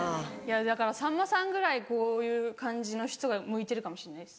だからさんまさんぐらいこういう感じな人が向いてるかもしんないです。